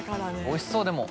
おいしそうでも。